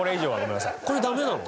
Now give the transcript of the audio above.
これダメなの？